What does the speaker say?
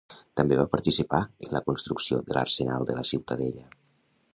També va participar en la construcció de l'arsenal de la Ciutadella.